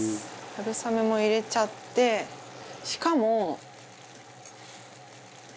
春雨も入れちゃってしかも。